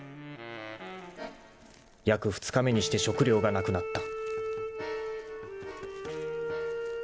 ［約２日目にして食料がなくなった］